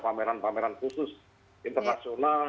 pameran pameran khusus internasional